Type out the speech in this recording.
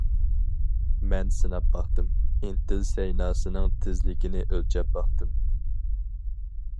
مەن سىناپ باقتىم، ئىنتىل سەيناسىنىڭ تېزلىكىنى ئۆلچەپ باقتىم.